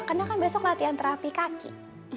karena kan besok latihan terapi kaki